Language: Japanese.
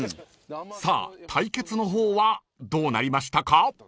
［さあ対決の方はどうなりましたか？］